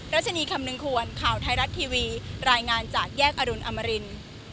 รัชนีคำนึงควรข่าวไทยรัฐทีวีรายงานจากแยกอรุณอมริน